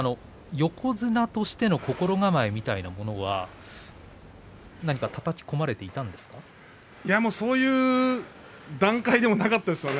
横綱としての心構えみたいなものはそういう段階でもなかったですよね。